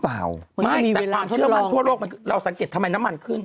ไม่แต่ความเชื่อมันทั่วโลกเราสังเกตทำไมน้ำมันขึ้น